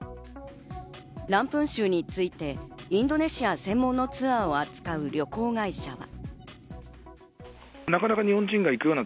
ランプン州についてインドネシア専門のツアーを扱う旅行会社は。